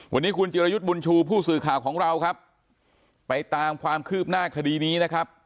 วันนี้คุณจิรยุทธ์บุญชูผู้สื่อข่าวของเราครับไปตามความคืบหน้าคดีนี้นะครับ